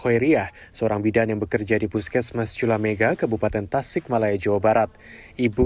hoeriah seorang bidan yang bekerja di puskesmas culamega kebupaten tasik malaya jawa barat ibu